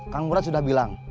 kang murad sudah bilang